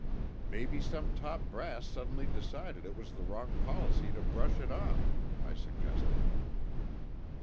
"Maybe some top brass suddenly decided it was the wrong policy to brush it off," I suggested.